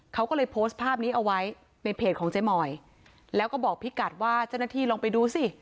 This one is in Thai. เขาก็เลยโพสต์ภาพนี้เอาไว้ในเพจของเจ๊มอยแล้วก็บอกพี่กัดว่าเจ้าหน้าที่ลองไปดูสิ